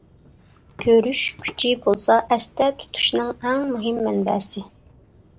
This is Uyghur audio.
كۆرۈش كۈچى بولسا ئەستە تۇتۇشنىڭ ئەڭ مۇھىم مەنبەسى.